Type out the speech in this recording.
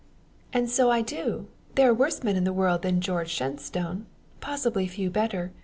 "And so I do. There are worse men in the world than George Shenstone possibly few better.